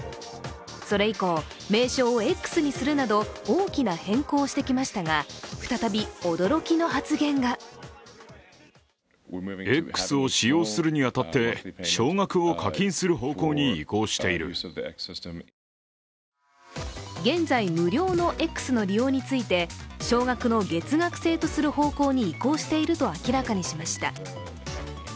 それ以降、名称をＸにするなど大きな変更をしてきましたが再び、驚きの発言が現在無料のＸの利用について少額の月額制とする方向に移行していると明らかにしました。